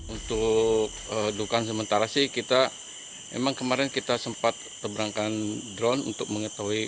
untuk dukan sementara sih kita emang kemarin kita sempat terberangkan drone untuk mengetahui